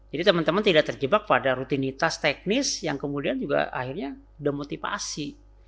jadi teman teman tidak terjebak pada rutinitas teknis yang kemudian juga akhirnya demotivasi